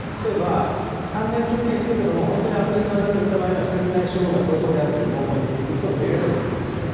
例えば３年求刑してるけども、本当に悪質なんだといった場合には、が相当であるという文言、ひと言入れたりするんですよね。